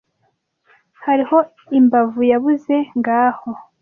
hariho imbavu yabuze ngaho